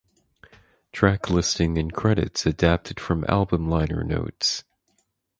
Track listing and credits adapted from album liner notes.